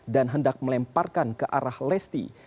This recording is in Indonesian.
dan hendak melemparkan ke arah lesti